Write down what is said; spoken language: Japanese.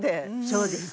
そうです。